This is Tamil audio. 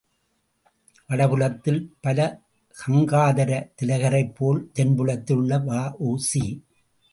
வடபுலத்தில் பாலகங்காதர திலகரைப் போல் தென்புலத்தில் வ.உ.சி.